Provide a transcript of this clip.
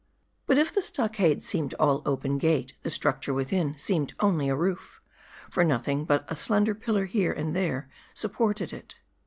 But if the stockade seemed all open gate, the structure within seemed only a roof ; for nothing but a slender pillar here and there, supported it.